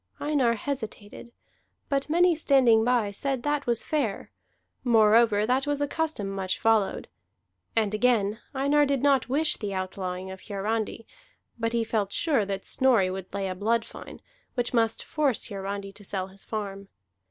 Einar hesitated. But many standing by said that was fair; moreover, that was a custom much followed. And again, Einar did not wish the outlawing of Hiarandi; but he felt sure that Snorri would lay a blood fine, which must force Hiarandi to sell his farm.